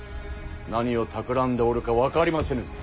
何をたくらんでおるか分かりませぬぞ。